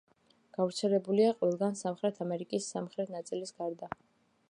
გავრცელებულია ყველგან სამხრეთ ამერიკის სამხრეთ ნაწილის გარდა.